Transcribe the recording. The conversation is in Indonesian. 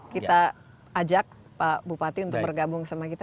kita ajak pak bupati untuk bergabung sama kita